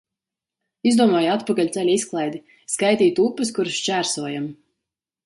Izdomāju atpakaļceļa izklaidi – skaitīt upes, kuras šķērsojam.